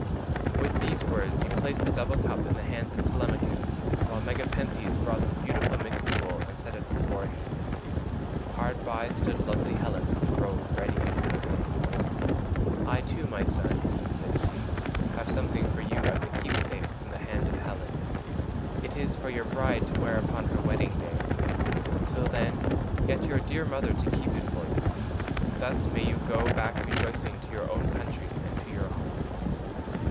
With these words he placed the double cup in the hands of Telemachus, while Megapenthes brought the beautiful mixing bowl and set it before him. Hard by stood lovely Helen with the robe ready in her hand. "I too, my son," said she, "have something for you as a keepsake from the hand of Helen; it is for your bride to wear upon her wedding day. Till then, get your dear mother to keep it for you; thus may you go back rejoicing to your own country and to your home."